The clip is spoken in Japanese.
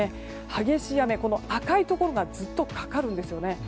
激しい雨、赤いところがずっとかかるんですよね。